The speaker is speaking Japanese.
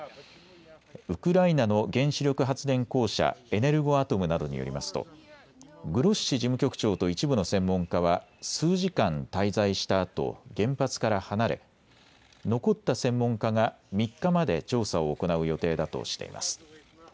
ウクライナの原子力発電公社、エネルゴアトムなどによりますとグロッシ事務局長と一部の専門家は数時間滞在したあと原発から離れ残った専門家が３日まで調査を行う予定だとしています。